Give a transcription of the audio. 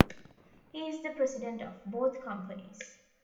He is the President of both companies.